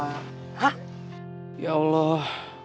hah ya allah